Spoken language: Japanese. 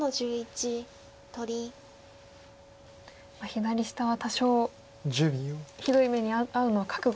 左下は多少ひどい目に遭うのは覚悟で。